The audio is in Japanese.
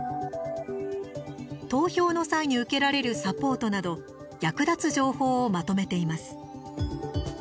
投票の際に受けられるサポートなど役立つ情報をまとめています。